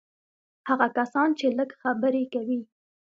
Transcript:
هغه کسان چې لږ خبرې کوي.